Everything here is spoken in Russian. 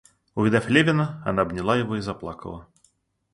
Увидав Левина, она обняла его и заплакала.